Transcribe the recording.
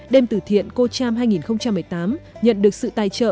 đêm tử thiện cô tram hai nghìn một mươi tám nhận được sự tài trợ